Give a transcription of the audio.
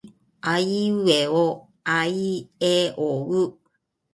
あいうえおあいえおう。